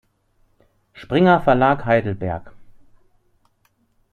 Springer Verlag Heidelberg.